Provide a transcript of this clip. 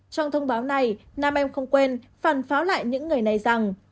trong thông báo này nam em không quên phản pháo lại những người này rằng